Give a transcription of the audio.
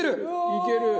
いける！